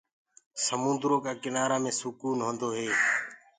سموندرو ڪآ ڪِنآرآ مي سُڪون هوندو هي۔